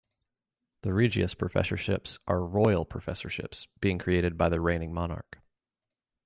The Regius Professorships are "royal" professorships, being created by the reigning monarch.